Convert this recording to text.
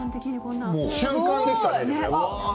瞬間でしたね。